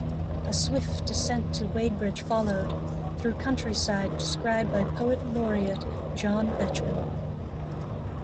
A swift descent to Wadebridge followed, through countryside described by Poet Laureate John Betjeman.